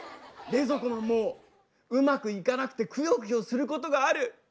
冷蔵庫マンもうまくいかなくてくよくよすることがある。